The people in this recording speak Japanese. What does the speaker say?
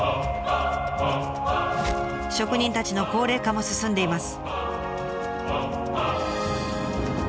職人たちの高齢化も進んでいます。